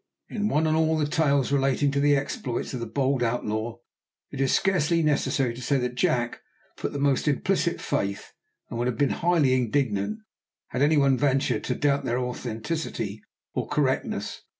In one and all the tales relating to the exploits of the bold outlaw, it is scarcely necessary to say that Jack put the most implicit faith, and would have been highly indignant had any one ventured to doubt their authenticity or correctness.